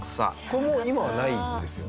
もう今はないんですよね？